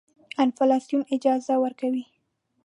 انفلاسیون اجازه ورکوي.